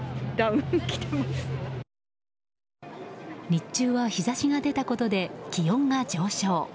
日中は日差しが出たことで気温が上昇。